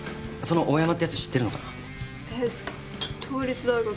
その大山ってやつ知ってるのかな？